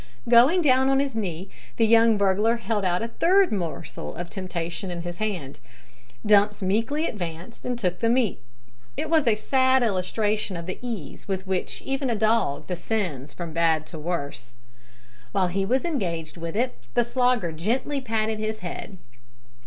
Going down on his knee the young burglar held out a third morsel of temptation in his hand. Dumps meekly advanced and took the meat. It was a sad illustration of the ease with which even a dog descends from bad to worse. While he was engaged with it the Slogger gently patted his head.